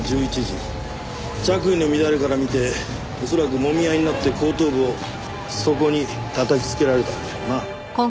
着衣の乱れから見て恐らくもみ合いになって後頭部をそこにたたきつけられたんだろうな。